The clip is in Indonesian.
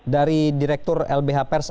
dari direktur lbh pers